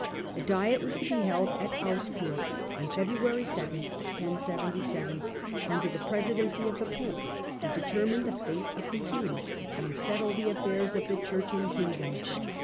A diet was to be held at Augsburg on February 2, 1077, under the presidency of the pope, to determine the fate of the king and settle the affairs of the Church and kingdom.